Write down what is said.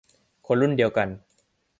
คนรุ่นเดียวกัน